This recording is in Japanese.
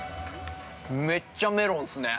◆めっちゃメロンすね。